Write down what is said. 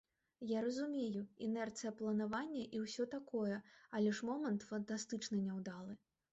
Я разумею, інерцыя планавання і ўсё такое, але ж момант фантастычна няўдалы.